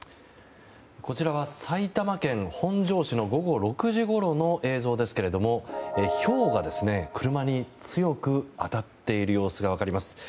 こちらは埼玉県本庄市の午後６時ごろの映像ですけどひょうが車に強く当たっている様子が分かります。